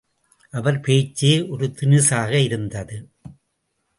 அவர் பேச்சே ஒரு தினுசாக இருந்தது.